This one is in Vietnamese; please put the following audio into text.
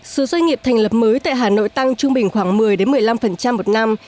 số doanh nghiệp thành lập mới tại hà nội tăng trung bình khoảng một mươi một mươi năm một năm